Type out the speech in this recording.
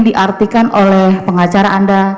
diartikan oleh pengacara anda